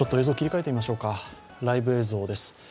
ライブ映像です。